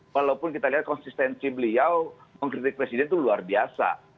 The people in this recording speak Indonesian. walaupun kita lihat konsistensi beliau mengkritik presiden itu luar biasa